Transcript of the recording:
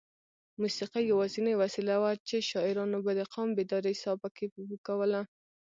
موسېقي یوازینۍ وسیله وه چې شاعرانو به د قام بیدارۍ ساه پکې پو کوله.